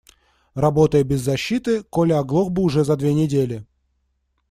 Работая без защиты, Коля оглох бы уже за две недели.